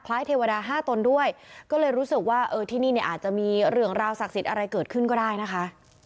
เทวดาห้าตนด้วยก็เลยรู้สึกว่าเออที่นี่เนี่ยอาจจะมีเรื่องราวศักดิ์สิทธิ์อะไรเกิดขึ้นก็ได้นะคะ